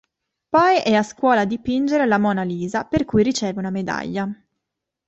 Poi è a scuola a dipingere la Mona Lisa, per cui riceve una medaglia.